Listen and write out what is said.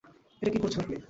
এটা কী করেছেন আপনি?